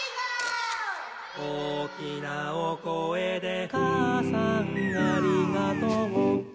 「おーきなおこえでかあさんありがとう」